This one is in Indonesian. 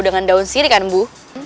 dengan daun siri kan bu